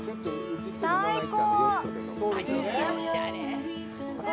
最高！